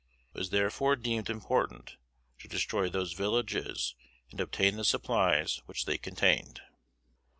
It was therefore deemed important to destroy those villages and obtain the supplies which they contained.